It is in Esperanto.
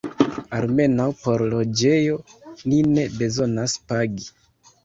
Almenaŭ por loĝejo ni ne bezonas pagi.